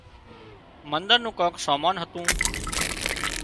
منۮر نُون ڪانڪ سامان هتون